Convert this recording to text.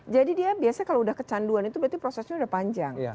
jadi dia biasanya kalau udah kecanduan itu berarti prosesnya udah panjang